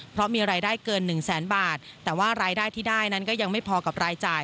เพราะมีรายได้เกินหนึ่งแสนบาทแต่ว่ารายได้ที่ได้นั้นก็ยังไม่พอกับรายจ่าย